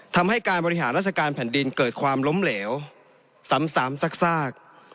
ทำให้การบริหารราชการแผ่นดินเกิดความล้มเหลวซ้ำซาก